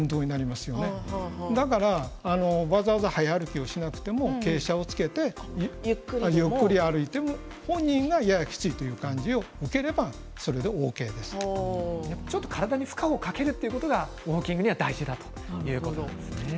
ですからわざわざ早歩きをしなくても傾斜をつけてゆっくり歩いても本人がややきついという感じを得れれば体に負荷をかけるということがウォーキングには大事だということですね。